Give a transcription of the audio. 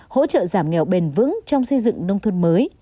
hỗ trợ giảm nghèo bền vững trong xây dựng nông thôn mới